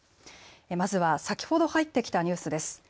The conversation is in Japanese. まずは先ほど入ってきたニュースです。